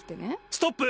ストップ！